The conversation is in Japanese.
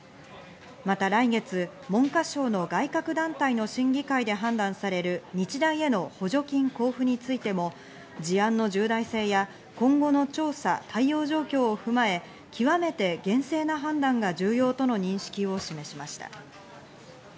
また来月、文科省の外郭団体の審議会で判断される日大への補助金交付についても事案の重大性や今後の調査、対応状況を踏まえ、極めて厳正な判断が重要との認識を示しました。